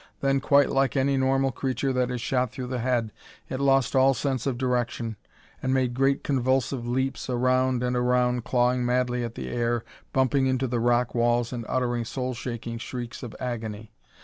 Then, quite like any normal creature that is shot through the head, it lost all sense of direction and made great convulsive leaps, around and around, clawing madly at the air, bumping into the rock walls and uttering soul shaking shrieks of agony.